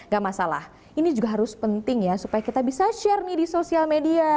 gak masalah ini juga harus penting ya supaya kita bisa share nih di sosial media